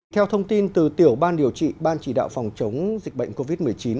theo thông tin từ tiểu ban điều trị ban chỉ đạo phòng chống dịch bệnh covid một mươi chín